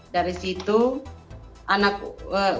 dari situ anak usia dia itu dia tanya apa ini